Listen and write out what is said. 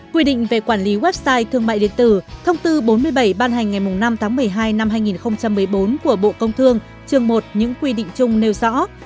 quy định về quản lý website thương mại điện tử thông tư bốn mươi bảy ban hành ngày năm tháng một mươi hai năm hai nghìn một mươi bốn của bộ công thương trường một những quy định chung nêu rõ